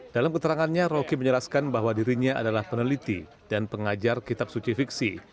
dalam keterangannya rocky menjelaskan bahwa dirinya adalah peneliti dan pengajar kitab suci fiksi